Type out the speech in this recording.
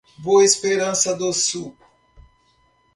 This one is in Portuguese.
Boa Esperança do Sul